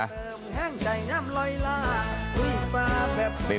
เห็นมั้ย